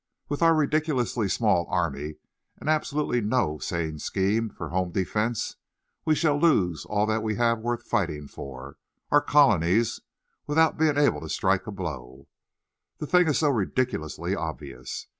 With our ridiculously small army and absolutely no sane scheme for home defence, we shall lose all that we have worth fighting for our colonies without being able to strike a blow. The thing is so ridiculously obvious.